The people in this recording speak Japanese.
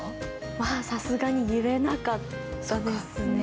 まあさすがに言えなかったですね。